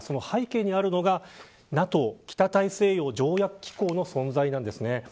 背景にあるのがＮＡＴＯ北大西洋条約機構の存在です。